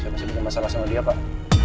saya masih punya masalah sama dia pak